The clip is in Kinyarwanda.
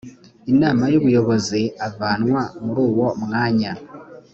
inama y ubuyobozi avanwa muri uwo mwanya